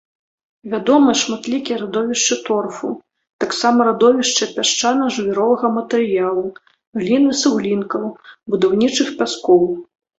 Вядомы шматлікія радовішчы торфу, таксама радовішчы пясчана-жвіровага матэрыялу, глін і суглінкаў, будаўнічых пяскоў.